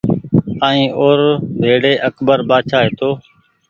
ائين او ر ڀيڙي اڪبر بآڇآ هيتو